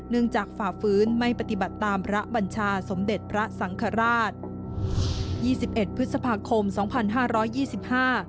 จากฝ่าฟื้นไม่ปฏิบัติตามพระบัญชาสมเด็จพระสังฆราชยี่สิบเอ็ดพฤษภาคมสองพันห้าร้อยยี่สิบห้า